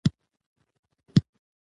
افغانان تل ازادي خوښوونکي خلک دي.